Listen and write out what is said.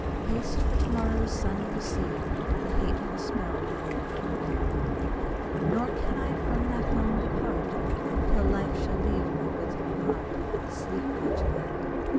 Haste! for to morrow's sun will see The hateful spell renewed for me; Nor can I from that home depart, Till life shall leave my withering heart. Sleep, my child!